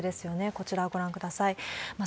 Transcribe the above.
こちらご覧ください。